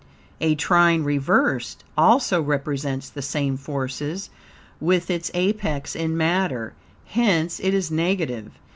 A trine reversed also represents the same forces, with its apex in matter, hence it is negative.